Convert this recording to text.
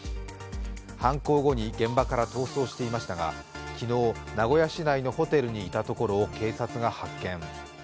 犯行後に現場から逃走していましたが、昨日、名古屋市内のホテルにいたところを警察が発見。